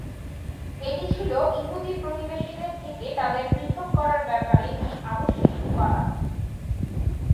এটি ছিল ইহুদি প্রতিবেশীদের থেকে তাদের পৃথক করার ব্যাপারে একটি আবশ্যিক উপাদান।